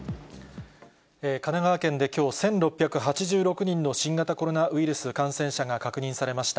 神奈川県できょう、１６８６人の新型コロナウイルス感染者が確認されました。